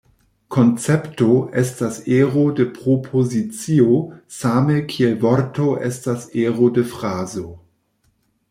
Koncepto estas ero de propozicio same kiel vorto estas ero de frazo.